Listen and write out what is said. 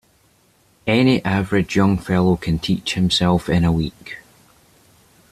Any average young fellow can teach himself in a week.